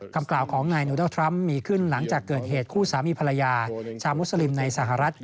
คำกล่าวของนายโนโดนัลดทรัมป์มีขึ้นหลังจากเกิดเหตุคู่สามีภรรยาชาวมุสลิมในสหรัฐ